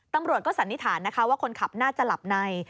ตำรวจก็สันนิษฐานนะคะว่าคนขับน่าจะหลับใน